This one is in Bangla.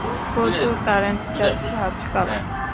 প্রচুর কারেন্ট যাচ্ছে আজকাল।